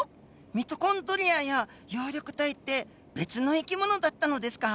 ミトコンドリアや葉緑体って別の生き物だったのですか？